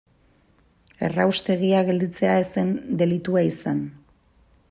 Erraustegia gelditzea ez zen delitua izan.